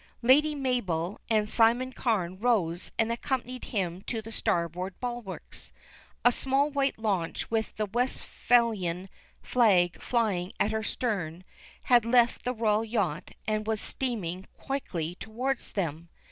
Lady Mabel and Simon Carne rose and accompanied him to the starboard bulwarks. A smart white launch with the Westphalian flag flying at her stern, had left the Royal yacht and was steaming quickly towards them.